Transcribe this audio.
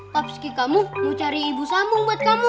papski kamu mau cari ibu sambung buat kamu